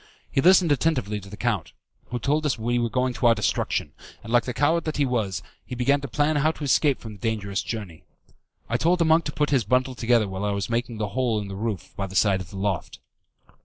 He listened attentively to the count, who told us we were going to our destruction, and like the coward that he was, he began to plan how to escape from the dangerous journey. I told the monk to put his bundle together while I was making the hole in the roof by the side of the loft.